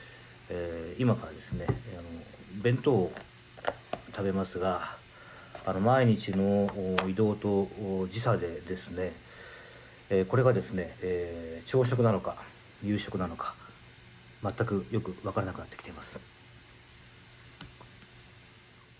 今から弁当を食べますが毎日の移動と時差でこれが朝食なのか夕食なのかよく分からなくなってきてます。